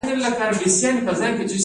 عدالت په کار کې څنګه پلی کیږي؟